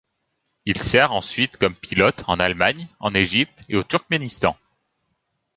Il sert ensuite comme pilote en Allemagne, en Égypte, au Turkménistan.